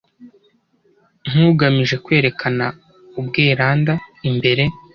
nkugamije kwerekana Ubweranda imbere